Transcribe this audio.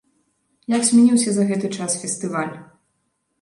Як змяніўся за гэты час фестываль?